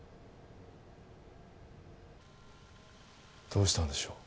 どうしたんでしょう？